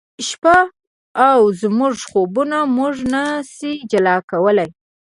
شپه او زموږ خوبونه موږ نه شي جلا کولای